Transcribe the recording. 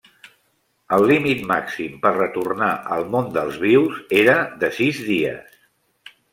El límit màxim per retornar al món dels vius era de sis dies.